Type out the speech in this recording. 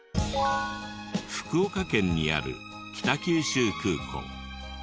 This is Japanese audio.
福岡県にある北九州空港。